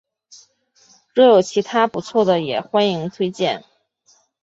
若有其他不错的也欢迎推荐